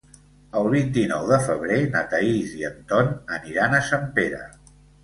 El vint-i-nou de febrer na Thaís i en Ton aniran a Sempere.